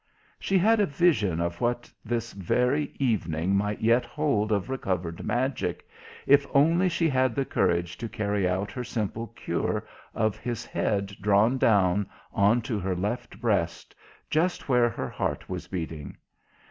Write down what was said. She had a vision of what this very evening might yet hold of recovered magic, if only she had the courage to carry out her simple cure of his head drawn down on to her left breast, just where her heart was beating.